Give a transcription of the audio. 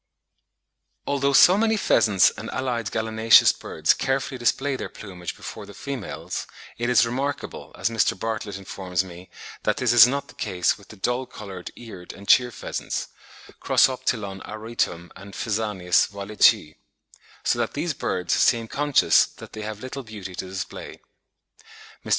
Although so many pheasants and allied gallinaceous birds carefully display their plumage before the females, it is remarkable, as Mr. Bartlett informs me, that this is not the case with the dull coloured Eared and Cheer pheasants (Crossoptilon auritum and Phasianus wallichii); so that these birds seem conscious that they have little beauty to display. Mr.